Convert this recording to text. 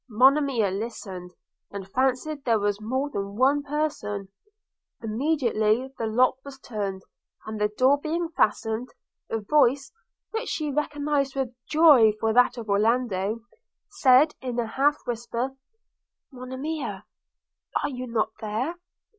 Monimia listened, and fancied there was more than one person – Immediately the lock was turned; and the door being fastened, a voice, which she recognised with joy for that of Orlando, said, in a half whisper: 'Monimia! are you not there?